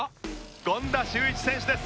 権田修一選手です。